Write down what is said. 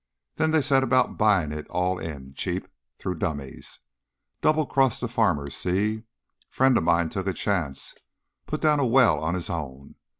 Then they set about buying it all in, cheap through dummies. Double crossed the farmers, see? Friend of mine took a chance; put down a well on his own.